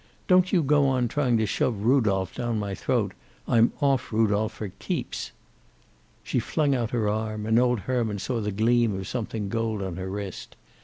"Don't you go on trying to shove Rudolph down my throat. I'm off Rudolph for keeps." She flung out her arm, and old Herman saw the gleam of something gold on her wrist.